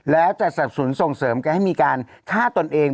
แล้วจะสับสนส่งเสริมกันให้มีการฆ่าตนเอง